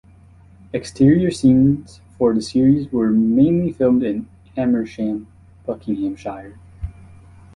Exterior scenes for the series were mainly filmed in Amersham, Buckinghamshire.